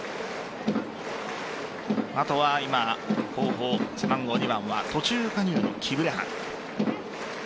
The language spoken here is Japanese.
あとは後方、背番号２番は途中加入のキブレハン。